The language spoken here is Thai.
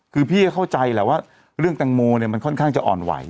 คือพี่ก็เข้าใจแหละว่าเรื่องแตงโมเนี่ยมันค่อนข้างจะอ่อนไหว